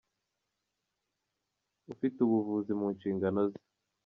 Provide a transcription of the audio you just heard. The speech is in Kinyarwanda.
ufite ubuvuzi mu nshingano ze